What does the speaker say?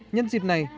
nhân dịp này